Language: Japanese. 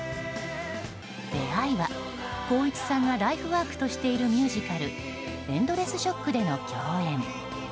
出会いは、光一さんがライフワークとしているミュージカル「ＥｎｄｌｅｓｓＳＨＯＣＫ」での共演。